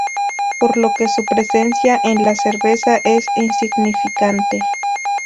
Por lo que su presencia en la cerveza es insignificante.